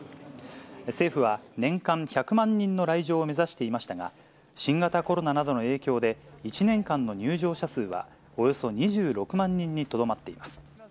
政府は、年間１００万人の来場を目指していましたが、新型コロナなどの影響で、１年間の入場者数はおよそ２６万人にとどまっています。